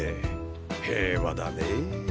平和だねぇ。